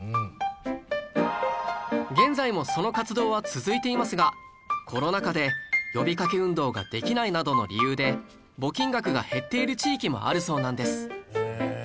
現在もその活動は続いていますがコロナ禍で呼びかけ運動ができないなどの理由で募金額が減っている地域もあるそうなんです